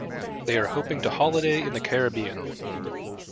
They are hoping to holiday in the Caribbean.